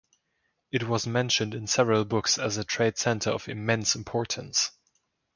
It was mentioned in several books as a trade center of immense importance.